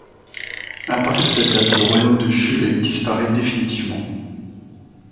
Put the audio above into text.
À partir de cette date, le royaume de Shule disparaît définitivement.